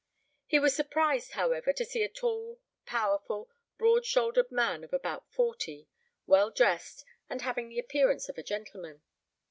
He was surprised, however, to see a tall, powerful, broad shouldered man of about forty, well dressed, and having the appearance of a gentleman.